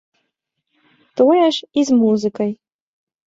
Тое ж і з музыкай.